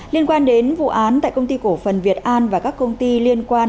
liên quan đến vụ án tại công ty cổ phần việt an và các công ty liên quan